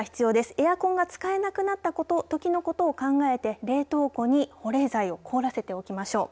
エアコンが使えなくなったときのことを考えて冷凍庫に保冷剤凍らせておきましょう。